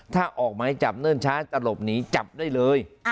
ถ้าออกหมายจับเนิ่นช้าจะหลบหนีจับได้เลย